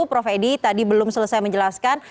prof edi tadi belum selesai menjelaskan